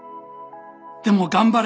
「でも頑張れ！